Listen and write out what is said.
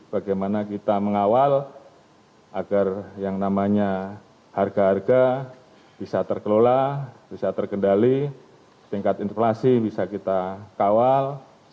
bagaimana kita mengawal agar yang namanya harga harga bisa terkelola bisa terkendali tingkat inflasi bisa kita kawal